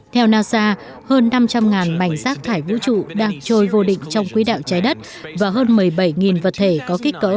theo nasa hơn năm trăm linh mảnh rác thải vũ trụ đang trôi vô định trong quỹ đạo trái đất và hơn một mươi bảy vật thể có kích cỡ